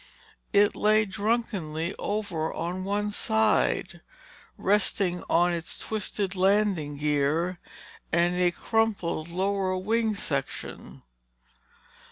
It lay drunkenly over on one side, resting on its twisted landing gear and a crumpled lower wing section.